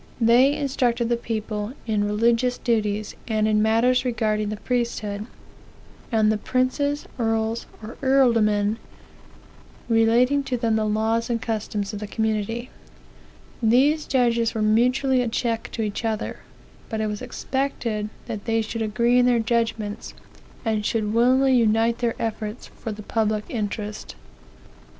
They instructed the people in religious duties, and in matters regarding the priesthood; and the princes, earls, or eorldormen, related to them the laws and customs of the community. These judges were mutually a check to each other; but it was expected that they should agree in their judgments, and should willingly unite their efforts for the public interest.